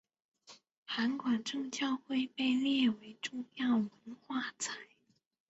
函馆正教会被列为重要文化财。